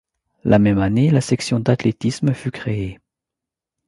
La même année, la section d’Athlétisme fut créée.